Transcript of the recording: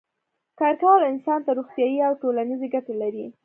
کار کول انسان ته روغتیایی او ټولنیزې ګټې لري